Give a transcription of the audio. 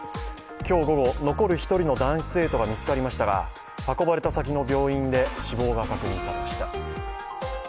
今日午後、残る１人の男子生徒が見つかりましたが運ばれた先の病院で死亡が確認されました。